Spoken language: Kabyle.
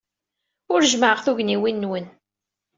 Ur jemmɛeɣ tugniwin-nwen.